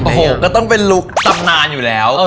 โอ้โหก็ต้องเป็นลุคตำนานอยู่แล้ว